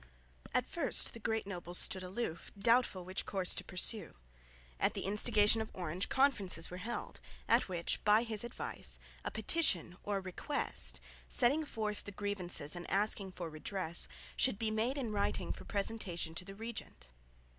At first the great nobles stood aloof, doubtful what course to pursue. At the instigation of Orange conferences were held, at which, by his advice, a petition or Request, setting forth the grievances and asking for redress, should be made in writing for presentation to the regent.